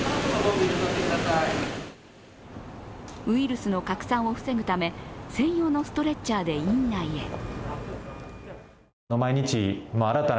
ウイルスの拡散を防ぐため専用のストレッチャーで院内へ。